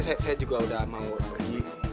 saya juga udah mau pergi